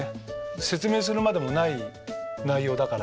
説明するまでもない内容だから。